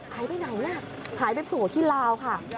หายไปไหนล่ะหายไปโผล่ที่ลาวค่ะ